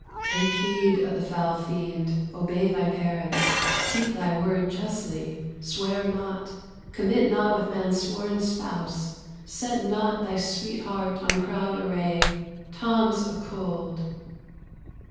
_ Take heed o' the foul fiend: obey thy parents; keep thy word justly; swear not; commit not with man's sworn spouse; set not thy sweet heart on proud array: Tom's a cold.